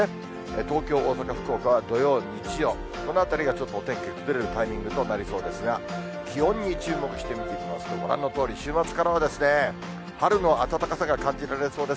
東京、大阪、福岡は土曜、日曜、このあたりがちょっとお天気崩れるタイミングとなりそうですが、気温に注目して見ていきますと、ご覧のとおり、週末からは春の暖かさが感じられそうです。